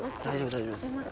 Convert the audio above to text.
大丈夫です。